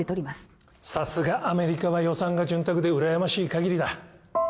さすがアメリカは予算が潤沢でうらやましい限りだ。